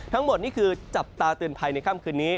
ทั้งหมดนี่คือจับตาเตือนภัยในค่ำคืนนี้